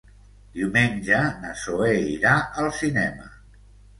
Diumenge na Zoè irà al cinema.